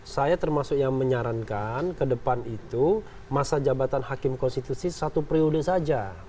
saya termasuk yang menyarankan ke depan itu masa jabatan hakim konstitusi satu periode saja